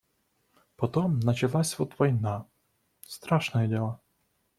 Потом началась вот война — страшное дело.